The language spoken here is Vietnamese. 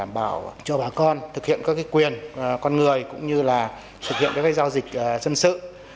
bảo cho bà con thực hiện các quyền con người cũng như là thực hiện các giao dịch dân sự